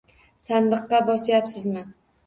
Sandiqqa bosyapsizmi?